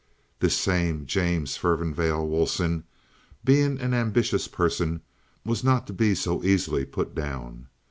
This same James Furnivale Woolsen, being an ambitious person, was not to be so easily put down.